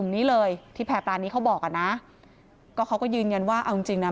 นี้เลยที่แพร่ปลานี้เขาบอกอ่ะนะก็เขาก็ยืนยันว่าเอาจริงจริงนะ